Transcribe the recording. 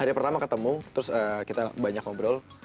hari pertama ketemu terus kita banyak ngobrol